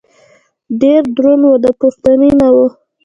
ډېر دروند و . د پورتې نه و.